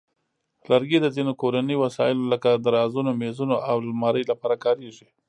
لرګي د ځینو کورني وسایلو لکه درازونو، مېزونو، او المارۍ لپاره کارېږي.